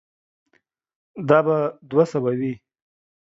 دا به دوه سوه وي.